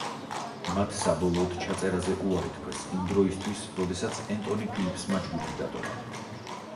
მათ საბოლოოდ ჩაწერაზე უარი თქვეს იმ დროისთვის, როდესაც ენტონი ფილიპსმა ჯგუფი დატოვა.